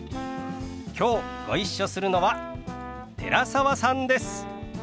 きょうご一緒するのは寺澤さんです。